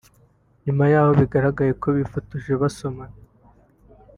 nyuma y’aho bigaragariye ko bifotoje basomana